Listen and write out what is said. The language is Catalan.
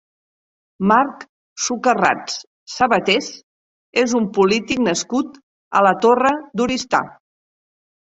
Marc Sucarrats Sabatés és un polític nascut a la Torre d'Oristà.